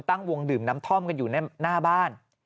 ตั้งวงดื่มน้ำท่อมกันอยู่หน้าบ้าน